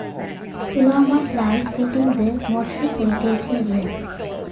Philomont lies within the Mosby Heritage Area.